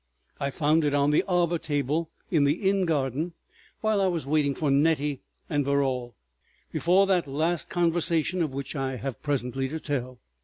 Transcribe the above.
I found it on the arbor table in the inn garden while I was waiting for Nettie and Verrall, before that last conversation of which I have presently to tell.